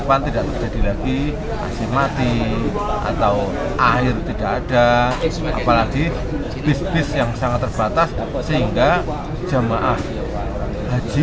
atau akhir tidak ada apalagi bisnis yang sangat terbatas sehingga jamaah haji